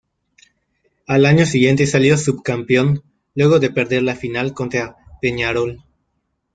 Al año siguiente salió subcampeón luego de perder la final contra Peñarol.